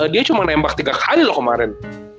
dia cuma nembak tiga kali loh kemarin